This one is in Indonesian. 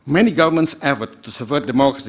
banyak pemerintah yang berusaha untuk mengembangkan demokrasi